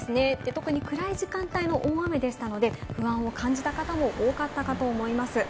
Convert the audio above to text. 特に暗い時間帯の大雨でしたので、感じた方も多かったかと思います。